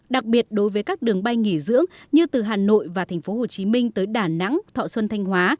đặc biệt đối với các đường bay nghỉ dưỡng như từ hà nội và tp hcm tới đà nẵng thọ xuân thanh hóa